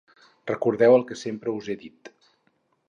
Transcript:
Recordeu el que sempre us he dit.